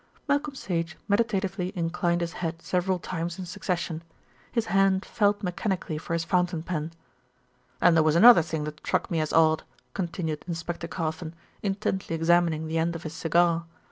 Malcolm Sage meditatively inclined his head several times in succession; his hand felt mechanically for his fountain pen. "Then there was another thing that struck me as odd," continued Inspector Carfon, intently examining the end of his cigar.